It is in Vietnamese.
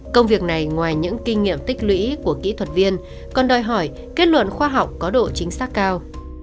công việc này ngoài những kinh nghiệm tích lũy của kỹ thuật viên còn đòi hỏi kết luận khoa học có độ chính xác cao